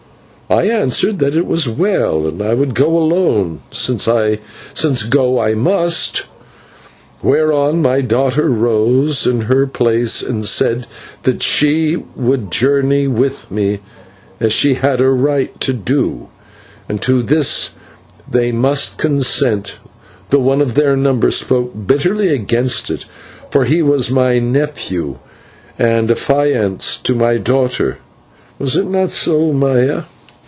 "I answered that it was well, and I would go alone since go I must, whereon my daughter rose in her place and said that she would journey with me, as she had a right to do, and to this they must consent, though one of their number spoke bitterly against it, for he was my nephew, and affianced to my daughter. Was it not so, Maya?"